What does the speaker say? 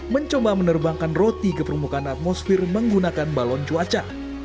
mencoba menerbangkan roti ke permukaan atmosfer menggunakan balon cuaca